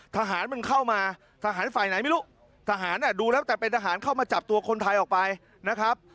ทหารมันเข้ามาทหารฝ่ายไหนไม่รู้ทหารดูแล้วแต่เป็นทหารเข้ามาจับตัวคนไทยออกไปนะครับ